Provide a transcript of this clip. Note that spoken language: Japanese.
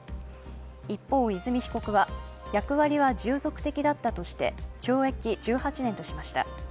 一方、和美被告は役割は従属的だったとして懲役１８年としました。